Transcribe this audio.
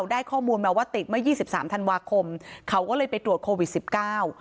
ได้ข้อมูลมาว่าติดเมื่อยี่สิบสามธันวาคมเขาก็เลยไปตรวจโควิดสิบเก้า